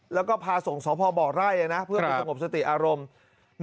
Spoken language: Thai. แล้วก็พาส่งสอบพ่อบอกได้เลยนะเพื่อสมบสติอารมณ์